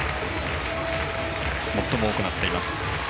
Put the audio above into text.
最も多くなっています。